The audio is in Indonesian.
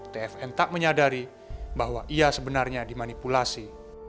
tfm tak menyadari bahwa ia sebenarnya dimanipulasi